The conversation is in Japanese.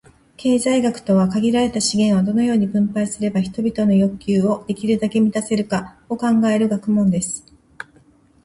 経済学とは、「限られた資源を、どのように分配すれば人々の欲求をできるだけ満たせるか」を考える学問です。